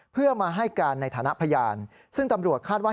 เพื่อมาให้การในฐานะพยานซึ่งตำรวจคาดว่า